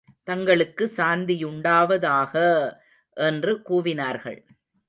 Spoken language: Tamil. தங்களுக்கு சாந்தியுண்டாவதாக! என்று கூவினார்கள்.